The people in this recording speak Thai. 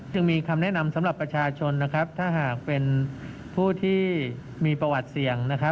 ยังมีคำแนะนำสำหรับประชาชนนะครับถ้าหากเป็นผู้ที่มีประวัติเสี่ยง